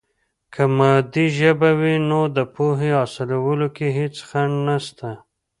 که مادي ژبه وي، نو د پوهې حاصلولو کې هیڅ خنډ نسته.